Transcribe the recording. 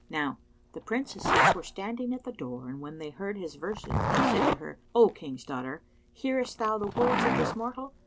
Now the Princesses were standing at the door and when they heard his verses, they said to her, "O King's daughter, hearest thou the words of this mortal?